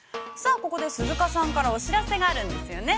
ここで鈴鹿さんから、お知らせがあるんですよね。